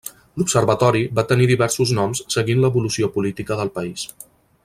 L'observatori va tenir diversos noms seguint l'evolució política del país.